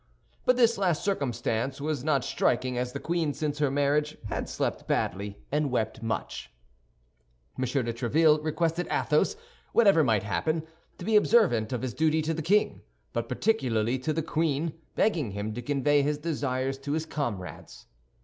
But this last circumstance was not striking, as the queen since her marriage had slept badly and wept much. M. de Tréville requested Athos, whatever might happen, to be observant of his duty to the king, but particularly to the queen, begging him to convey his desires to his comrades.